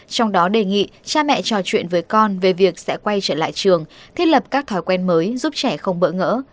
trong đó đề nghị cha mẹ trò chuyện với con về việc sẽ quay trở lại trường thiết lập các thói quen mới giúp trẻ không bỡ ngỡ